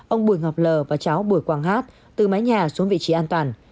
ông bùi ngọc lờ và cháu bùi quang hát từ mái nhà xuống vị trí an toàn